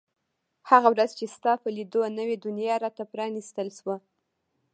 هغه ورځ چې ستا په لیدو نوې دنیا را ته پرانیستل شوه.